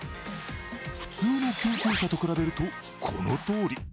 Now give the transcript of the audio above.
普通の救急車と比べると、このとおり。